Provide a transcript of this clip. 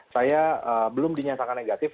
saya belum dinyatakan negatif